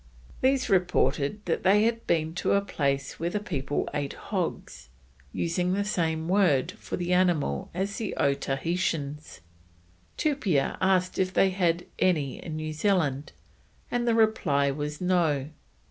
These reported they had been to a place where the people ate hogs, using the same word for the animal as the Otaheitans, Tupia asked if they had any in New Zealand, and the reply was "no."